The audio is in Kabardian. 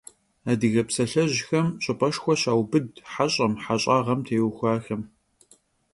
Adıge psalhejxem ş'ıp'eşşxue şaubıd he ş'em, heş'ağem têuxuaxem.